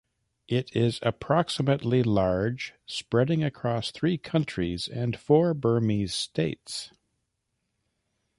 It is approximately large, spreading across three countries and four Burmese states.